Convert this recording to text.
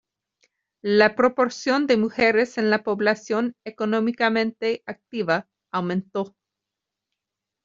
La proporción de mujeres en la población económicamente activa aumentó.